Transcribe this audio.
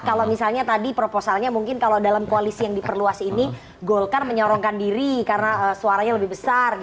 kalau misalnya tadi proposalnya mungkin kalau dalam koalisi yang diperluas ini golkar menyorongkan diri karena suaranya lebih besar